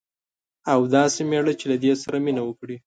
او داسي میړه چې له دې سره مینه وکړي